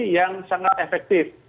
yang sangat efektif